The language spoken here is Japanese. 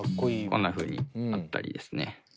こんなふうにあったりですね